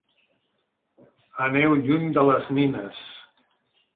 Aneu lluny de les nines.